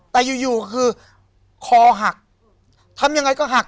แต่อยู่อยู่คือคอหักทำยังไงก็หัก